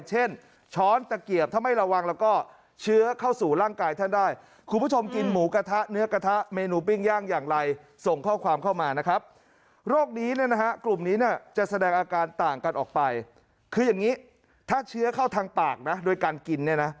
เช่นช้อนตะเกียบถ้าไม่ระวังแล้วก็เชื้อเข้าสู่ร่างกายท่านได้